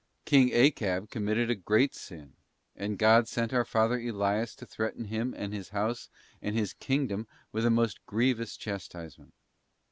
King Achab committed a great sin, and God sent our Father Elias to threaten him and his house and his kingdom with a most grievous chas tisement.